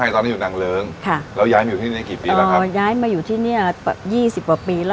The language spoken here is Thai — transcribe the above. อ๋อทำไมถึงยาทีละ